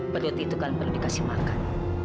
perut itu kan perlu dikasih makan